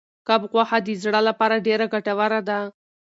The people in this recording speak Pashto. کب غوښه د زړه لپاره ډېره ګټوره ده.